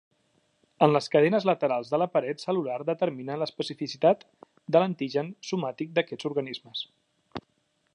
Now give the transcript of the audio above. En les cadenes laterals de la paret cel·lular determinen l'especificitat de l'antigen somàtic d'aquests organismes.